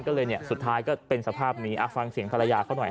ก็เลยเนี่ยสุดท้ายก็เป็นสภาพนี้ฟังเสียงภรรยาเขาหน่อย